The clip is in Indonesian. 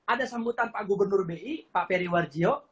ada sambutan pak gubernur bi pak ferry warjio